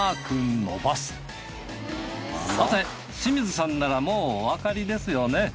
さて清水さんならもうおわかりですよね？